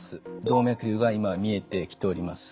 動脈瘤が今見えてきております。